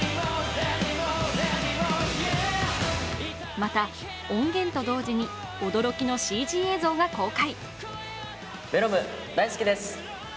また、音源と同時に驚きのＣＧ映像が公開。